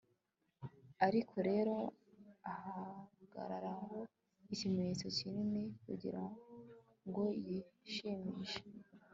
ariko rero ahagararaho ikimenyetso kinini kugirango yishimishe